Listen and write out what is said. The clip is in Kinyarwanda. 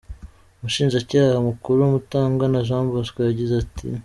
Umushinjacyaha mukuru Mutangana Jean Bosco yagize ati :